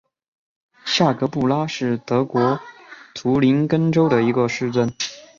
下格布拉是德国图林根州的一个市镇。